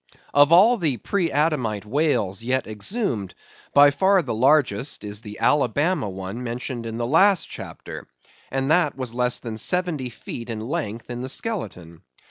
Of all the pre adamite whales yet exhumed, by far the largest is the Alabama one mentioned in the last chapter, and that was less than seventy feet in length in the skeleton.